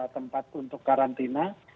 tempat untuk karantina